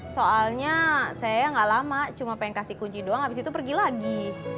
soalnya saya gak lama cuma pengen kasih kunci doang abis itu pergi lagi